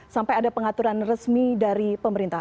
sampai ada pengaturan resmi dari pemerintah